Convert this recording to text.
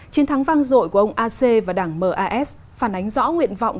chiến thắng vang rội của ông ace và đảng mas phản ánh rõ nguyện vọng